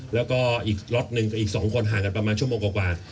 แล้วก็อีกล็อตหนึ่งกับอีก๒คนห่างกันประมาณชั่วโมงกว่า